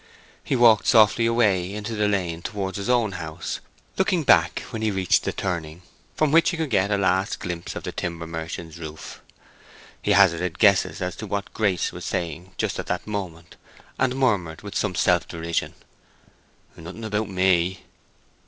He walked softly away into the lane towards his own house, looking back when he reached the turning, from which he could get a last glimpse of the timber merchant's roof. He hazarded guesses as to what Grace was saying just at that moment, and murmured, with some self derision, "nothing about me!"